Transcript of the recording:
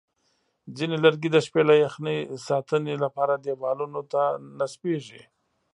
ځینې لرګي د شپې له یخنۍ ساتنې لپاره دیوالونو ته نصبېږي.